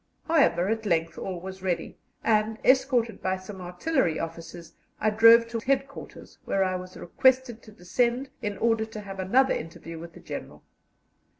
However, at length all was ready, and, escorted by some artillery officers, I drove to headquarters, where I was requested to descend in order to have another interview with the General.